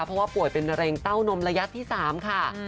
เพราะว่าป่วยเป็นมะเร็งเต้านมระยะที่๓ค่ะ